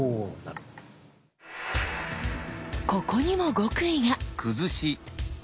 ここにも極意が！